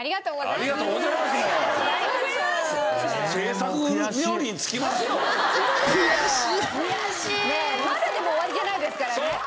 まだでも終わりじゃないですからね。